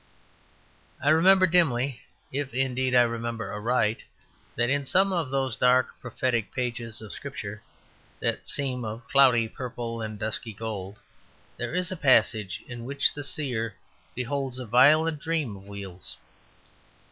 I remember dimly, if, indeed, I remember aright, that in some of those dark prophetic pages of Scripture, that seem of cloudy purple and dusky gold, there is a passage in which the seer beholds a violent dream of wheels.